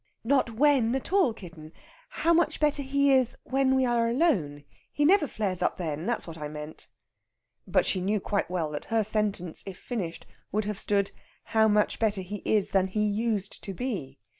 "No when at all, kitten! How much better he is when we are alone! He never flares up then that's what I meant." But she knew quite well that her sentence, if finished, would have stood, "how much better he is than he used to be!"